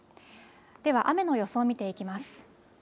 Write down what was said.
では雨の予想を見ていきます。